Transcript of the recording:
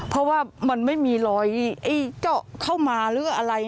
เพราะว่ามันไม่มีรอยเจาะเข้ามาหรืออะไร